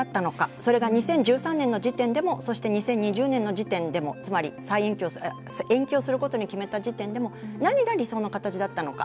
それが２０１３年の時点でもそして、２０２０年の時点でもつまり延期をすることを決めた時点でも何が理想の形だったのか。